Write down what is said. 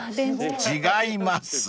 ［違います］